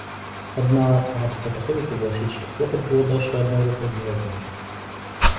Одна арабская пословица гласит, что хлопать в ладоши одной рукой невозможно.